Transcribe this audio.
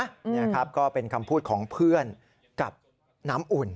นี่ครับก็เป็นคำพูดของเพื่อนกับน้ำอุ่น